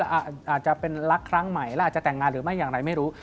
อาจจะเป็นรักครั้งใหม่แล้วอาจจะแต่งงานหรือไม่อย่างไรไม่รู้